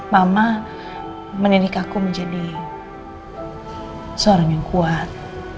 mama mendidik aku menjadi seorang yang kuat